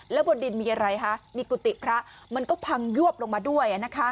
แล้วบนดินมีอะไรคะมีกุฏิพระมันก็พังยวบลงมาด้วย